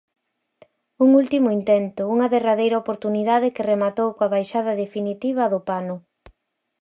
Un último intento, unha derradeira oportunidade que rematou coa baixada definitiva do pano.